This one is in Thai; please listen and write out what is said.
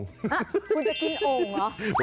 คุณจะกินโอ่งเหรอ